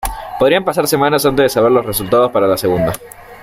Podrían pasar semanas antes de saber los resultados para la segunda".